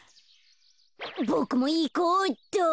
ボクもいこうっと。